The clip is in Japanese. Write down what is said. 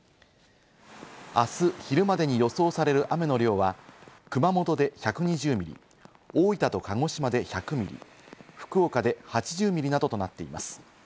あす昼までに予想される雨の量は熊本で１２０ミリ、大分と鹿児島で１００ミリ、福岡で８０ミリなどとなっています。